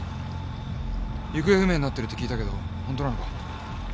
行方不明になってるって聞いたけど本当なのか？